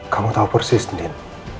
kamu tahu persis din